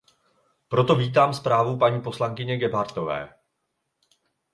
Proto vítám zprávu paní poslankyně Gebhardtové.